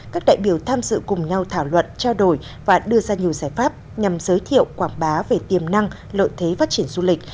các đại biểu tham dự cùng nhau thảo luận trao đổi và đưa ra nhiều giải pháp nhằm giới thiệu quảng bá về tiềm năng lợi thế phát triển du lịch